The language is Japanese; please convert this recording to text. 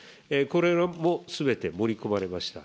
これもすべて盛り込まれました。